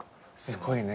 すごいね。